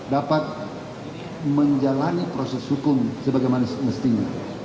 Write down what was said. dapat menjalani proses hukum sebagaimana mestinya